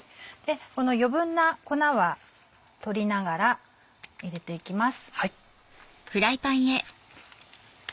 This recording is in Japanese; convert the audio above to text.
この余分な粉は取りながら入れていきます。